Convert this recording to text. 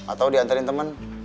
atau diantarin temen